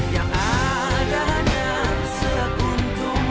yang adanya sepuntungan